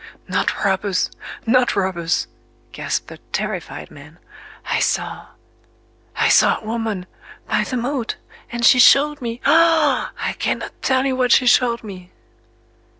"Not robbers,—not robbers," gasped the terrified man... "I saw... I saw a woman—by the moat;—and she showed me... Ah! I cannot tell you what she showed me!"...